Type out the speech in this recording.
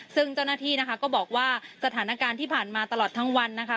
ซึ่งเจ้าหน้าที่นะคะก็บอกว่าสถานการณ์ที่ผ่านมาตลอดทั้งวันนะคะ